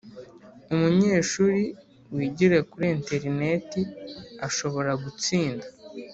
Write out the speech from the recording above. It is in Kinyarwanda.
umunyeshuri wigira kuri interineti ashobora gutsinda